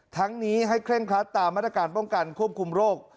ทั้งนี้ให้เคร่งครัดตามมาตรการป้องกันควบคุมโรค